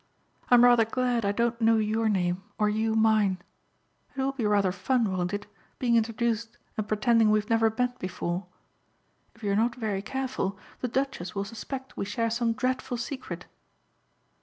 I'm rather glad I don't know your name or you mine. It will be rather fun won't it, being introduced and pretending we've never met before. If you are not very careful the Duchess will suspect we share some dreadful secret."